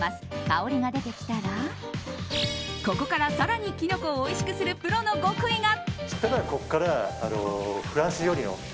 香りが出てきたらここから、更にキノコをおいしくするプロの極意が。